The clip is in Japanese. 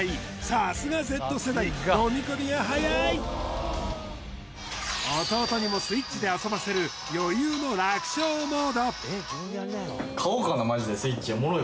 さすがＺ世代のみ込みが早い弟にもＳｗｉｔｃｈで遊ばせる余裕の楽勝モード